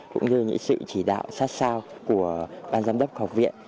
cũng như những sự chỉ đạo sát sao của ban giám đốc học viện